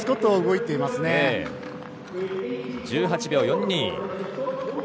１８秒４２。